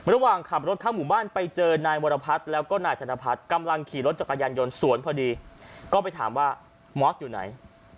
ระหว่างขับรถเข้าหมู่บ้านไปเจอนายวรพัฒน์แล้วก็นายธนพัฒน์กำลังขี่รถจักรยานยนต์สวนพอดีก็ไปถามว่ามอสอยู่ไหน